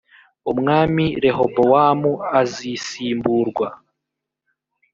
umwami rehobowamu azisimburwa